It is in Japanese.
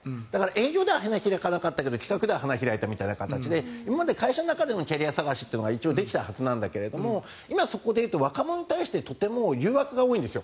営業では花開かないけど企画では花開く形で会社の中でのキャリアアップは一応できたはずなんだけど今そこでいうと若者に対してとても誘惑が多いんです。